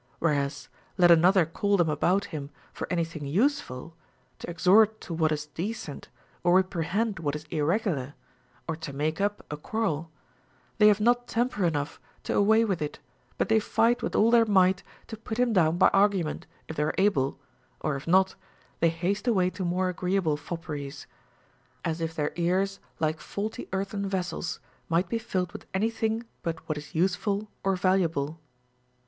Whereas, let another call them about him for any thing useful, to exhort to what is decent or reprehend what is irregular, or to make up a quarrel, they have not temper enough to away with it, but they fight with all their might to put him down by argument, if they are able, or if not, they haste away to more agreeable fopperies ; as if their ears, like faulty earthen vessels, might be filled with any thing but what is useful or valuable.